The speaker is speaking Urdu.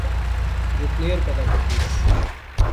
جو پلئیر پیدا کرتی ہے،